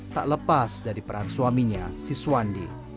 tak lepas dari peran suaminya siswandi